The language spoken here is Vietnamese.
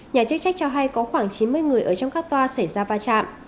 nhà chức trách cho hay có khoảng chín mươi người ở trong các toa xảy ra va chạm